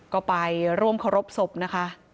ก็ไปร่วมเคารพศพนะคะ